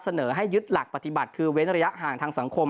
เสนอให้ยึดหลักปฏิบัติคือเว้นระยะห่างทางสังคม